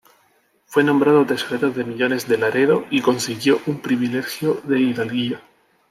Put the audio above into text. Fue nombrado Tesorero de Millones de Laredo y consiguió un Privilegio de Hidalguía.